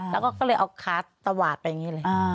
แล้วก็ก็เลยเอาขาตวาดไปอย่างนี้เลย